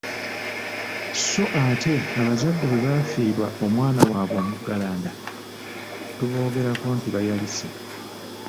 Sso ate abazadde bwe bafiirwa omwana waabwe omuggalanda tuboogerako nti bayalise.